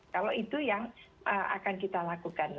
kalau itu yang akan kita lakukan